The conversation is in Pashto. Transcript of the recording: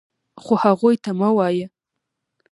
خو هغوی ته مه وایه .